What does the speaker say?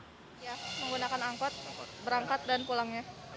ya menggunakan angkot berangkat dan pulangnya